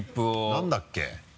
何だっけ？